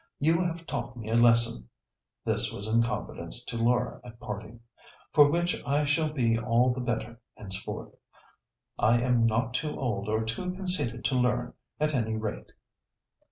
You have taught me a lesson" (this was in confidence to Laura at parting) "for which I shall be all the better henceforth. I am not too old or too conceited to learn, at any rate."